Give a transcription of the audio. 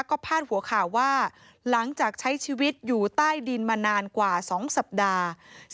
ก็พาดหัวข่าวว่าหลังจากใช้ชีวิตอยู่ใต้ดินมานานกว่า๒สัปดาห์